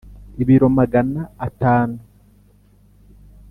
ibiro magana atanu